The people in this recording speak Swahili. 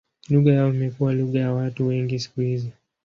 Lugha yao imekuwa lugha ya watu wengi siku hizi.